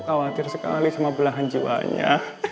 khawatir sekali sama belahan jiwanya